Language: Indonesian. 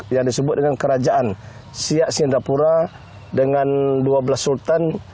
yang disebut dengan kerajaan siak singapura dengan dua belas sultan